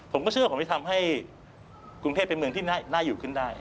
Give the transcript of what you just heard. ผมก็เชื่อว่าผมจะทำให้กรุงเทพเป็นเมืองที่น่าอยู่ขึ้นได้